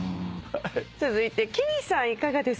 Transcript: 続いてＫＩＭＩさんいかがですか？